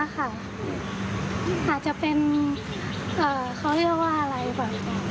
แต่สักจะเป็นเขาเรียกว่าอะไรกัน